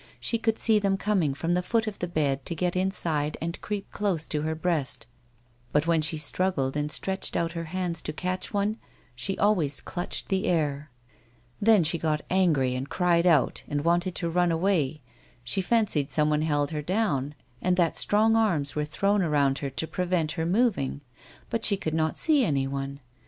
She could see them coming from the foot of the bed to get inside and creep close to her breast, but when she struggled and stretched out her hands to catch one, she always clutched the air. Then she got angry, and cried out, and wanted to run away ; she fancied some one held her down, and that strong arms were thrown around her to prevent her moving, but she could not see anyone.